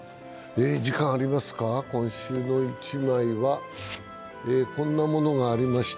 「今週の一枚」はこんなものがありました。